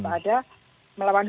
ada melawan hubungan